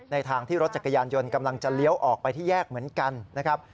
ทางที่รถจักรยานยนต์กำลังจะเลี้ยวออกไปที่แยกเหมือนกันนะครับ